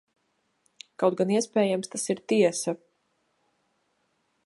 Kaut gan, iespējams, tas ir tiesa.